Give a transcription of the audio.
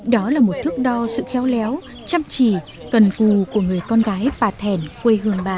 đó là một thước đo sự khéo léo chăm chỉ cần cù của người con gái bà thèn quê hương bà